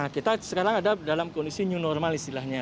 kita sekarang ada dalam kondisi new normal istilahnya